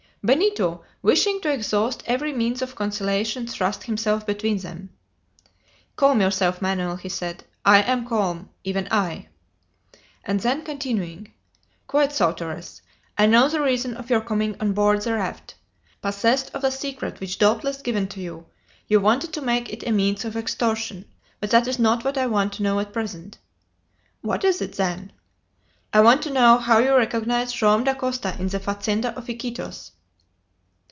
Benito, wishing to exhaust every means of conciliation, thrust himself between them. "Calm yourself, Manoel!" he said. "I am calm even I." And then continuing: "Quite so, Torres; I know the reason of your coming on board the raft. Possessed of a secret which was doubtless given to you, you wanted to make it a means of extortion. But that is not what I want to know at present." "What is it, then?" "I want to know how you recognized Joam Dacosta in the fazenda of Iquitos?"